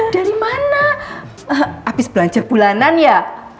dari mana habis belajar bulanan ya